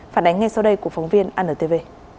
phản ánh ngay sau đây của phóng viên anntv